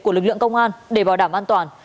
của lực lượng công an để bảo đảm an toàn